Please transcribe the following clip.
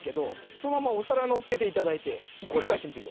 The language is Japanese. そのままお皿のっけていただいてひっくり返してみてください。